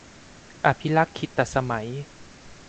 อภิลักขิตสมัย